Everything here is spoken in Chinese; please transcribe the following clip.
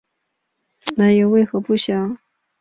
来由为何不详。